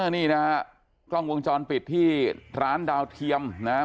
นี่นะฮะกล้องวงจรปิดที่ร้านดาวเทียมนะครับ